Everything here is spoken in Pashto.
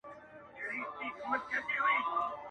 بیا یې پورته کړو نقاب له سپين رخساره,